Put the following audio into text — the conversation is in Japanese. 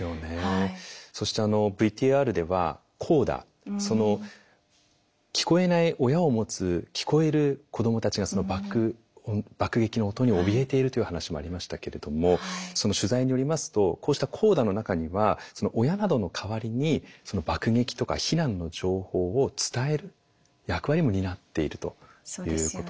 そしてＶＴＲではコーダ聞こえない親を持つ聞こえる子どもたちが爆撃の音におびえているという話もありましたけれども取材によりますとこうしたコーダの中には親などの代わりに爆撃とか避難の情報を伝える役割も担っているということなんですよね。